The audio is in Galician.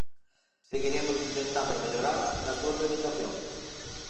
Seguiremos intentando mellorala na súa tramitación.